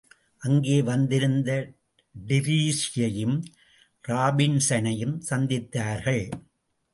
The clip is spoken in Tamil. அங்கே வந்திருந்த டிரீஸியையும் ராபின்ஸனையும் சந்தித்தார்கள்.